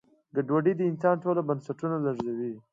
ګډوډي د انسان ټول بنسټونه لړزوي.